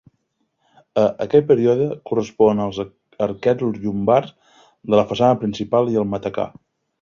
A aquell període corresponen els arquets llombards de la façana principal i el matacà.